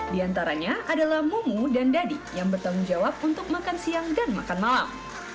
di antaranya adalah mumu dan dadi yang bertanggung jawab untuk makan siang dan makan malam